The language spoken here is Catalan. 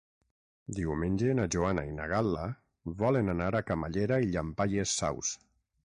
Diumenge na Joana i na Gal·la volen anar a Camallera i Llampaies Saus.